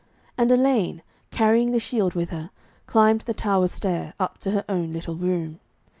And Elaine, carrying the shield with her, climbed the tower stair, up to her own little room.